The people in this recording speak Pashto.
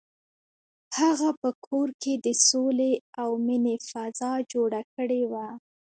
هغه په کور کې د سولې او مینې فضا جوړه کړې وه.